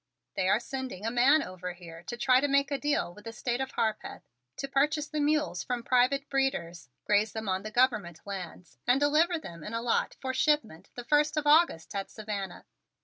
They are sending a man over here to try to make a deal with the State of Harpeth to purchase the mules from private breeders, graze them on the government lands and deliver them in a lot for shipment the first of August at Savannah.